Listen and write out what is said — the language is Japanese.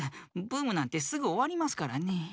ブームなんてすぐおわりますからね。